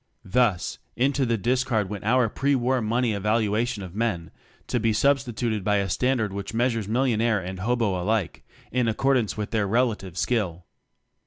Thus, into the discard went our pre war money evaluation of men to be substituted by a standard which measures millionaire and hobo alike in accordance with their relative skill.